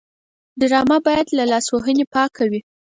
ډرامه باید له لاسوهنې پاکه وي